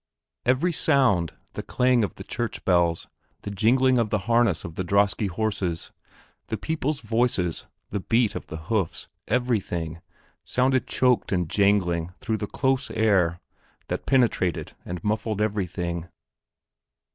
Every sound, the clang of the church bells, the jingling of the harness of the droske horses, the people's voices, the beat of the hoofs, everything, sounded choked and jangling through the close air, that penetrated and muffled everything.